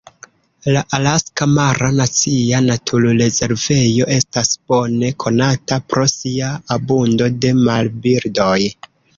La Alaska Mara Nacia Naturrezervejo estas bone konata pro sia abundo de marbirdoj.